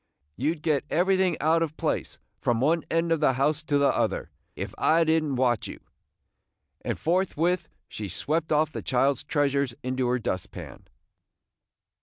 You 'd get everything out of place, from one end of the house to the other, if I did n't watch you!" And forthwith she swept off the child's treasures into her dust pan.